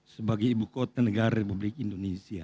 sebagai ibu kota negara republik indonesia